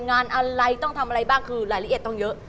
งานอะไรต้องทำอะไรบ้างคือรายละเอียดต้องเยอะ